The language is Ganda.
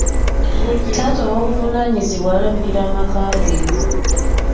Taata ow'obuvunaanyizibwa alabirira amaka ge.